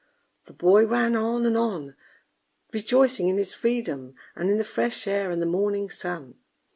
The boy ran on and on, rejoicing in his freedom, and in the fresh air and the morning sun.